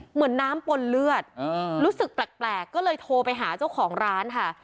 เหมือนน้ำปนเลือดรู้สึกแปลกก็เลยโทรไปหาเจ้าของร้านค่ะ